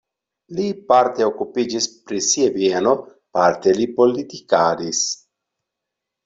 Li parte okupiĝis pri sia bieno, parte li politikadis.